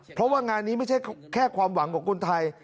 เพราะว่างานนี้ไม่ใช่แค่ความหวังของคนไทย